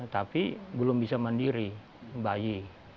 tapi belum bisa mandiri bayi